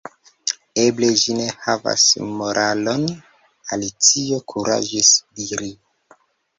"Eble ĝi ne havas moralon," Alicio kuraĝis diri.